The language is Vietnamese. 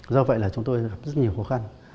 do vậy là chúng tôi gặp rất nhiều khó khăn